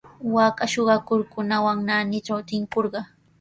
Waaka suqakuqkunawan naanitraw tinkurqaa.